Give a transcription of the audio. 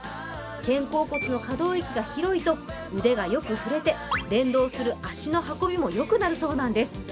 肩甲骨の可動域が広いと腕がよく振れて連動する足の運びもよくなるそうなんです。